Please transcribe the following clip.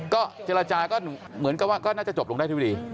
ก็เจรจาก็เหมือนกับว่าก็น่าจะจบลงได้ที่ดี